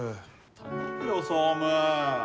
頼むよ総務。